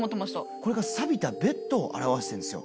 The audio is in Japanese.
これがさびたベッドを表してるんですよ。